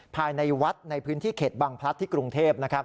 ภายในวัดในพื้นที่เขตบังพลัดที่กรุงเทพ